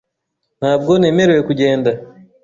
Ntabwo nemerewe kugenda .